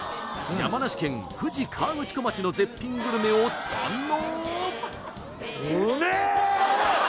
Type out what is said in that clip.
山梨県富士河口湖町の絶品グルメを堪能！